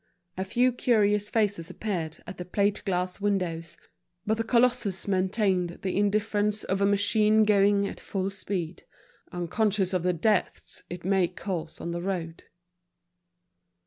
A few curious faces appeared at the plate glass windows; but the colossus maintained the indifference of a machine going at full speed, unconscious of the deaths it may cause on the road.